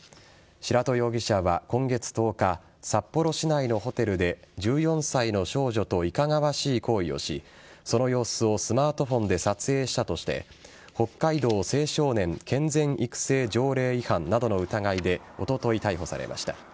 白戸容疑者は今月１０日札幌市内のホテルで１４歳の少女といかがわしい行為をしその様子をスマートフォンで撮影したとして北海道青少年健全育成条例違反などの疑いでおととい、逮捕されました。